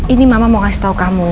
ini mama mau kasih tahu kamu